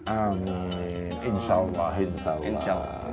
amin insya allah insya allah